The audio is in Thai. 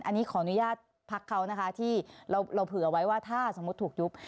อันนี้ขออนุญาตพักเขานะคะที่เราเผื่อไว้ว่าถ้าสมมุติถูกยุบ